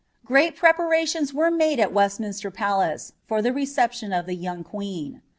Great preparations were made at Westminster Palace tor the reception of ihe young queen.